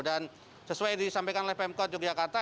dan sesuai disampaikan oleh pemkot yogyakarta